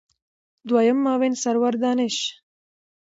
دویم معاون سرور دانش